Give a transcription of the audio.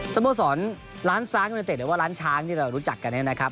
สโมสรร้านซ้างหรือว่าร้านช้างที่เรารู้จักกันนะครับ